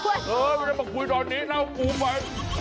เฮ้ยไม่ได้มาคุยตอนนี้เล่ากูมัน